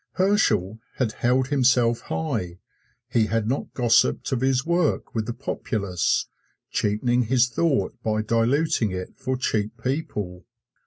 Herschel had held himself high he had not gossiped of his work with the populace, cheapening his thought by diluting it for cheap people.